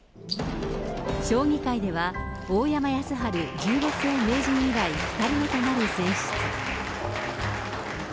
将棋界では大山康晴十五世名人以来２人目となる選出。